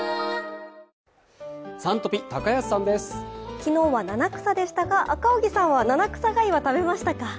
昨日は七草でしたが、赤荻さんは七草がゆは食べましたか？